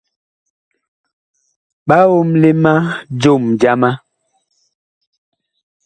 Ɓa omle ma jom jama.